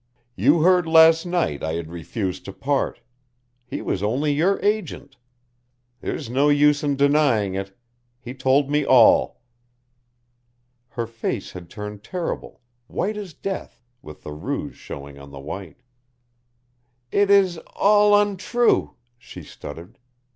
You heard last night I had refused to part. He was only your agent. There's no use in denying it. He told me all." Her face had turned terrible, white as death, with the rouge showing on the white. "It is all untrue," she stuttered.